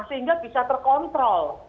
sehingga bisa terkontrol